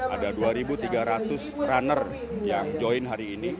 ada dua tiga ratus runner yang join hari ini